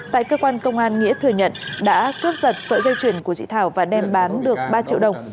tại cơ quan công an nghĩa thừa nhận đã cướp giật sợi dây chuyển của chị thảo và đem bán được ba triệu đồng